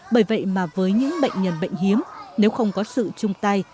bởi vậy mà với những bệnh nhân bệnh hiếm nếu không có sự chung tay